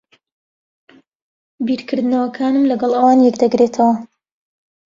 بیرکردنەوەکانم لەگەڵ ئەوان یەک دەگرێتەوە.